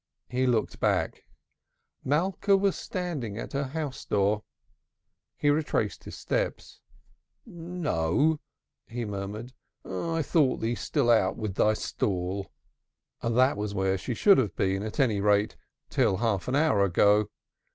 He looked back. Malka was standing at her house door. He retraced his steps. "N n o," he murmured. "I thought you still out with your stall." That was where she should have been, at any rate, till half an hour ago.